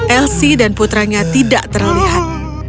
elsie dan putranya tidak terlihat